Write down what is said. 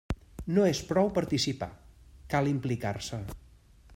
No és prou participar, cal implicar-se.